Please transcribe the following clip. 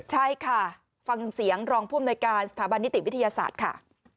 ใช่ค่ะฟังเสียงรองผู้อำนวยการสถาบันนิติวิทยาศาสตร์ค่ะ